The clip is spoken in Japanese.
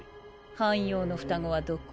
半妖の双子はどこ？